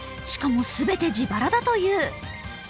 しかも全て自腹だという。